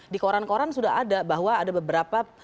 di koran koran sudah ada bahwa ada beberapa